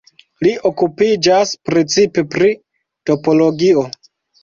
Li okupiĝas precipe pri topologio.